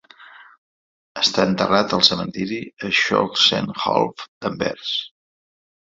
Està enterrat al cementiri Schoonselhof d'Anvers.